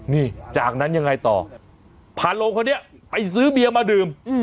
นี่จากนั้นยังไงต่อพาลงคนนี้ไปซื้อเบียร์มาดื่ม